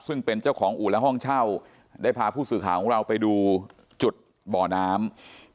ซึ่งเป็นเจ้าของอู่และห้องเช่าได้พาผู้สื่อข่าวของเราไปดูจุดบ่อน้ำ